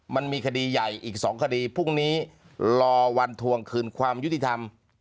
มันมีคดีใหญ่อีก๒คดีพรุ่งนี้รอวันทวงคืนความยุติธรรม